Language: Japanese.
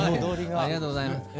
ありがとうございます。